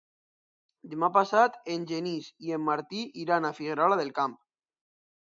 Demà passat en Genís i en Martí iran a Figuerola del Camp.